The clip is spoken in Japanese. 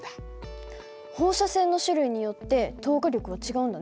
放射線の種類によって透過力は違うんだね。